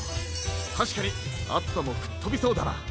たしかにあつさもふっとびそうだな！